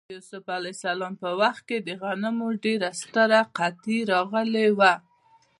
د یوسف ع په وخت کې د غنمو ډېره ستره قحطي راغلې وه.